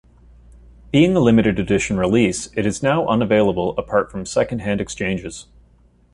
Being a limited edition release, it is now unavailable apart from second hand exchanges.